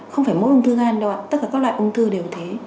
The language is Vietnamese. không phải mỗi ung thư gan đâu ạ tất cả các loại ung thư đều thế